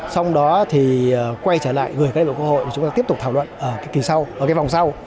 xong đó thì quay trở lại gửi các đại biểu quốc hội chúng ta tiếp tục thảo luận ở cái vòng sau